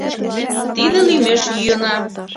Тиде лӱмеш йӱына.